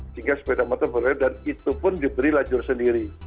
sehingga sepeda motor berada dan itu pun diberi lajur sendiri